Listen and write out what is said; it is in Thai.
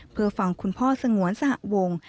เพื่อฟังคุณพ่อสงวนสหวง